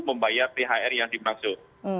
membayar thr yang dimaksud